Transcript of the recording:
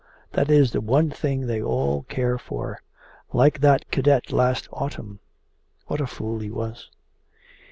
That is the one thing they all care for like that cadet last autumn. What a fool he was!